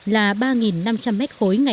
là ba đồng